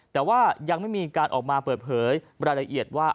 แต่ว่ายังไม่มีการออกมาเปิดเผยรายละเอียดว่า